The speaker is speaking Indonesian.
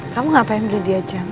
kamu ngapain beli dia jam